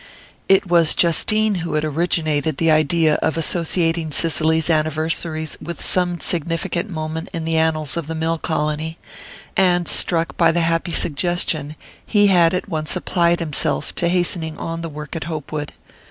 It was Justine who had originated the idea of associating Cicely's anniversaries with some significant moment in the annals of the mill colony; and struck by the happy suggestion, he had at once applied himself to hastening on the work at Hopewood.